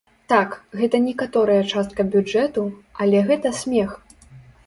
Так, гэта некаторая частка бюджэту, але гэта смех.